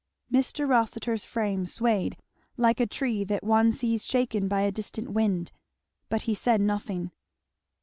Mr. Rossitur's frame swayed, like a tree that one sees shaken by a distant wind, but he said nothing.